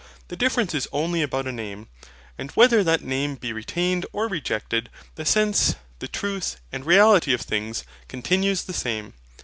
The difference is only about a name. And, whether that name be retained or rejected, the sense, the truth, and reality of things continues the same.